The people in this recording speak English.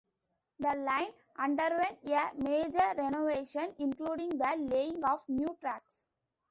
The line underwent a major renovation, including the laying of new tracks.